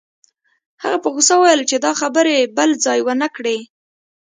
هغه په غوسه وویل چې دا خبرې بل ځای ونه کړې